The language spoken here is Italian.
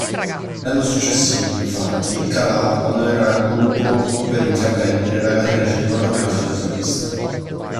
L'anno successivo, infatti, Calà abbandonerà il gruppo per intraprendere la carriera cinematografica solista.